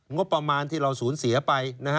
งบประมาณที่เราสูญเสียไป